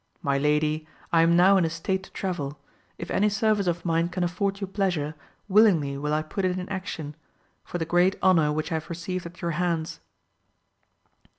My lady, I am now in a state to travel ; if any service of mine can afford you pleasure, willingly will I put it in action, for the Teat honour which I have received at your hands.